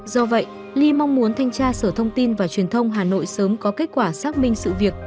do vậy ly mong muốn thanh tra sở thông tin và truyền thông hà nội sớm có kết quả xác minh sự việc